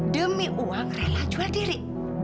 demi uang rela jual diri